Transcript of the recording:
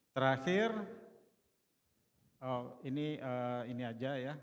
terakhir ini aja ya